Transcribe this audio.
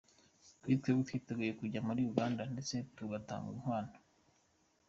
Kuri twebwe twiteguye kujya muri Uganda ndetse tugatanga inkwano.